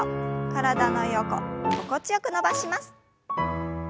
体の横心地よく伸ばします。